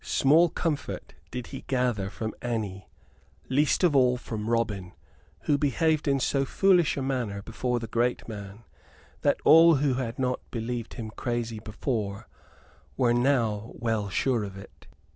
Small comfort did he gather from any, least of all from Robin, who behaved in so foolish a manner before the great man that all who had not believed him crazy before, were now well sure of it.